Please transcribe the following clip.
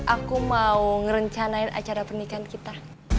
aku mau ngerencanain acara pernikahan kita